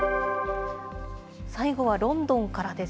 最後はロンドンからです。